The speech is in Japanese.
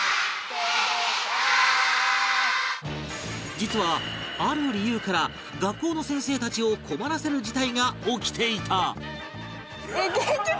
実はある理由から学校の先生たちを困らせる事態が起きていた